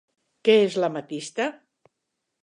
Què és l'ametista?